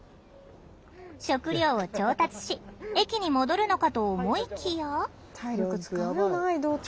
食料を調達し駅に戻るのかと思いきや。